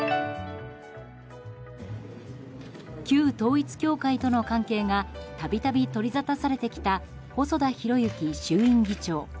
旧統一教会との関係が度々取りざたされてきた細田博之衆院議長。